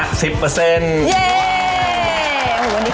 อันนี้ขอบคุณพี่แนนมาก